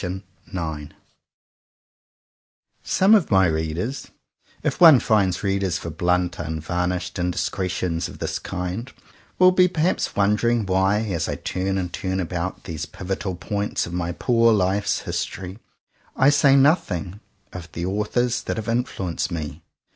117 IX SOME of my readers, if one finds readers for blunt, unvarnished indiscretions of this kind, will be perhaps wondering why, as I turn and turn about these pivotal points of my poor life's history, I say noth ing of the "authors that have influenced me."